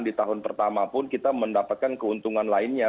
di tahun pertama pun kita mendapatkan keuntungan lainnya